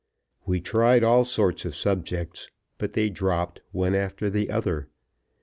We tried all sorts of subjects, but they dropped one after the other.